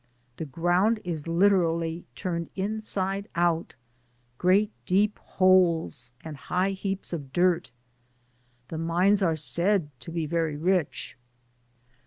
The ground is lit erally turned inside out; great deep holes and high heaps of dirt. The mines are said to be very rich.